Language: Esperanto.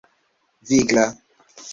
vigla